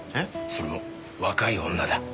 それも若い女だ。